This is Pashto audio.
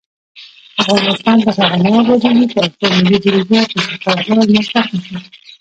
افغانستان تر هغو نه ابادیږي، ترڅو ملي بودیجه په شفاف ډول مصرف نشي.